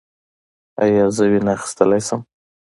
ایا زه وینه اخیستلی شم؟